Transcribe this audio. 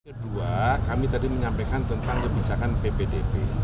kedua kami tadi menyampaikan tentang kebijakan ppdb